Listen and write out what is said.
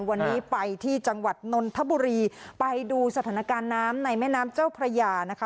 วันนี้ไปที่จังหวัดนนทบุรีไปดูสถานการณ์น้ำในแม่น้ำเจ้าพระยานะคะ